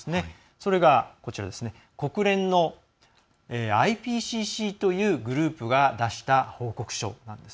それが、国連のＩＰＣＣというグループが出した報告書なんです。